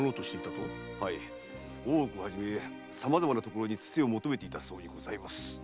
大奥をはじめ様々なところにつてを求めていたそうです。